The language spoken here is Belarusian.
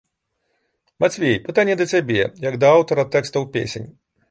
Мацвей, пытанне да цябе, як да аўтара тэкстаў песень.